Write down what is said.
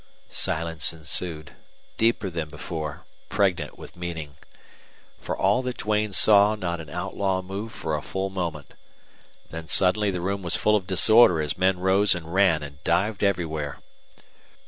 Silence ensued, deeper than before, pregnant with meaning. For all that Duane saw, not an outlaw moved for a full moment. Then suddenly the room was full of disorder as men rose and ran and dived everywhere.